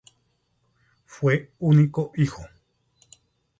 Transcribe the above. Fue único hijo.